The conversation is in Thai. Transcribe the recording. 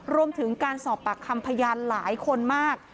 รวมถึงการสอบปากคำพยานหลายคนมาก